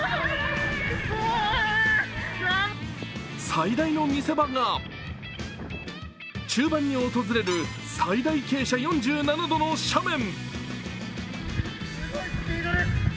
最大の見せ場が、中盤に訪れる最大傾斜４７度の赦免。